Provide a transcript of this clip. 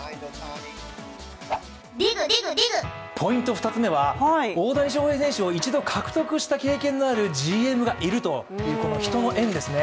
２つ目は、大谷翔平選手を一度獲得した経験のあるＧＭがいるという人の縁ですね。